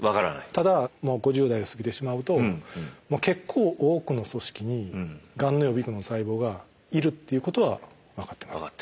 ただもう５０代を過ぎてしまうと結構多くの組織にがんの予備群の細胞がいるっていうことは分かってます。